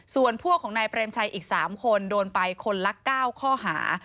ส่วนพวกของนายเปรมชัยอีก๓คนโดนไปคนละ๙ข้อหา